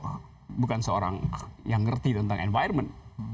jangan pilih aho karena aho bukan seorang yang ngerti tentang inscription